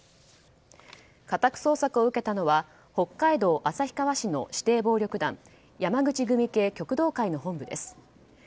家宅捜索を受けたのは北海道旭川市の指定暴力団山口組系旭導会の本部です。